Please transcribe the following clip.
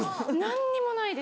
何にもないです。